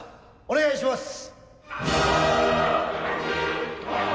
お願いします。